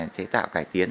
chế tạo cải tiến